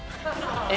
え？